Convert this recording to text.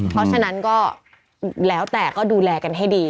เพราะฉะนั้นก็แล้วแต่ก็ดูแลกันให้ดี